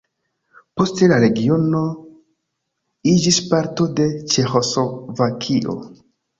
Poste la regiono iĝis parto de Ĉeĥoslovakio.